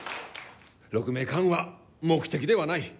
鹿鳴館は目的ではない。